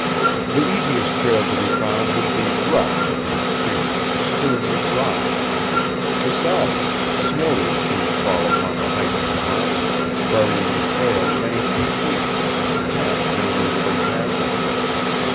The easiest trail to be found would be rough in the extreme, strewn with rocks; besides, snow would soon fall upon the heights of the mountains, burying the trail many feet deep, and perhaps rendering it impassable.